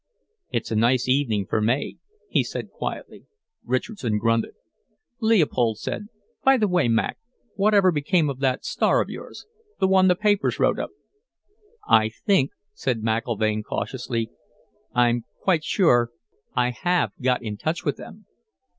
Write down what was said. "It's a nice evening for May," he said quietly. Richardson grunted. Leopold said, "By the way, Mac, whatever became of that star of yours? The one the papers wrote up." "I think," said McIlvaine cautiously, "I'm quite sure I have got in touch with them.